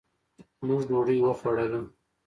مونږ ډوډي وخوړله